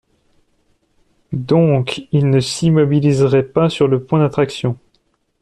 Donc, il ne s’immobiliserait pas sur le point d’attraction.